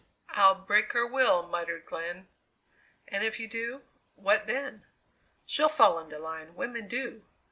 "I'll break her will!" muttered Glenn. "And if you do what then?" "She'll fall into line women do!